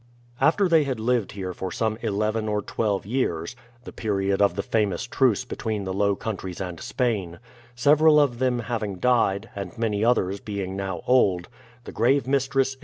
After they had lived here for some eleven or twelve years, — the period of the famous truce between the Low Countries and Spain, — several of them having died, and many others being now old, the grave mistress.